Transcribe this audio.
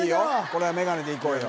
これはメガネでいこうよ